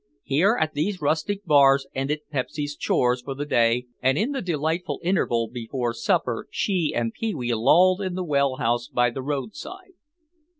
Here, at these rustic bars, ended Pepsy's chores for the day and in the delightful interval before supper she and Pee wee lolled in the wellhouse by the roadside.